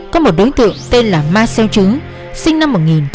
có một đối tượng tên là ma sêu chứ sinh năm một nghìn chín trăm năm mươi bốn